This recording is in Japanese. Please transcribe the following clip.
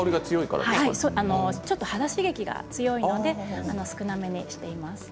肌刺激が強いので少なめにしています。